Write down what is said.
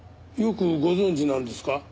よくご存じなんですか？